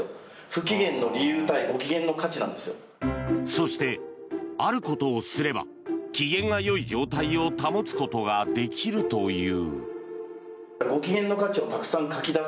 そして、あることをすれば機嫌がよい状態を保つことができるという。